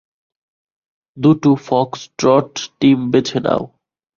দুটো foxtrot team বেছে নাও।